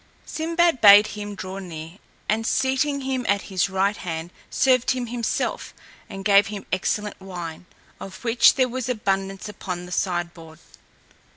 Sinbad bade him draw near, and seating him at his right hand, served him himself, and gave him excellent wine, of which there was abundance upon the sideboard.